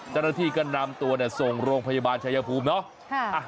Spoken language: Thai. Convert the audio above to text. จรฐีกันนำตัวส่งโรงพยาบาลชายภูมิเนาะ